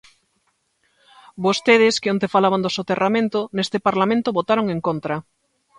Vostedes, que onte falaban do soterramento, neste Parlamento votaron en contra.